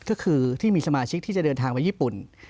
ก็คือที่มีสมาชิกที่จะเดินทางไปญี่ปุ่น